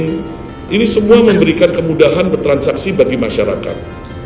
dan jaringan internet semua memberikan kemudahan bertransaksi bagi masyarakat